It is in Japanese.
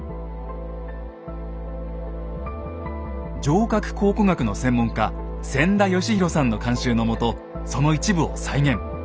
城郭考古学の専門家千田嘉博さんの監修のもとその一部を再現。